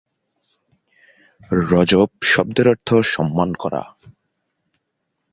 রজব শব্দের অর্থ "সম্মান করা"।